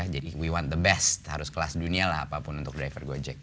jadi kita ingin yang terbaik harus kelas dunia lah apapun untuk driver gojek